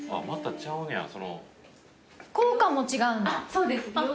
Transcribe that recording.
そうです。